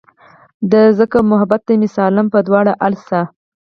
دے ځکه محبت ته مې سالم پۀ دواړه السه